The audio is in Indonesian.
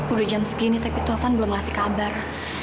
udah jam segini tapi tuhan belum ngasih kabar